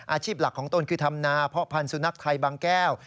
อาชีพหลักของตนคือทำนาเพาะพันธ์สุนัขไทยบางแก้ว